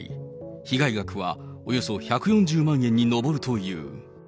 被害額はおよそ１４０万円に上るという。